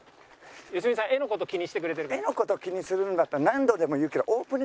画の事気にするんだったら何度でも言うけど。